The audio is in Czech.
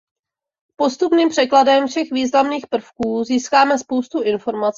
Postupným překladem všech významných prvků získáme spoustu informací.